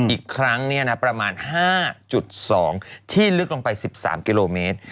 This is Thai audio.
อีกครั้งประมาณ๕๒ที่ลึกลงไป๑๓กิโลเมตร